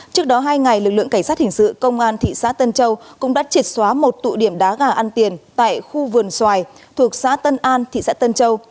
trước đó hai ngày lực lượng cảnh sát hình sự công an thị xã tân châu cũng đã triệt xóa một tụ điểm đá gà ăn tiền tại khu vườn xoài thuộc xã tân an thị xã tân châu